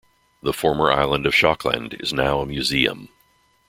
The former island of Schokland is now a museum.